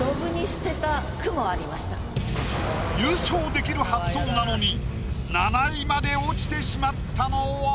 優勝できる発想なのに７位まで落ちてしまったのは？